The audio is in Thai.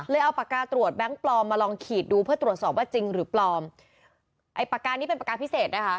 เอาปากกาตรวจแบงค์ปลอมมาลองขีดดูเพื่อตรวจสอบว่าจริงหรือปลอมไอ้ปากกานี้เป็นปากกาพิเศษนะคะ